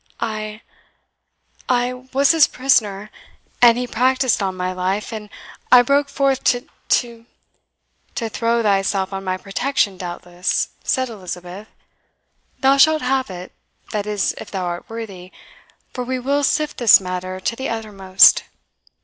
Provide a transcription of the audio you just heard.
"I I was his prisoner and he practised on my life and I broke forth to to " "To throw thyself on my protection, doubtless," said Elizabeth. "Thou shalt have it that is, if thou art worthy; for we will sift this matter to the uttermost.